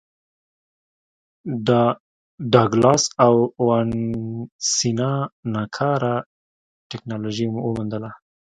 ډاګلاس او وانسینا ناکاره ټکنالوژي وموندله.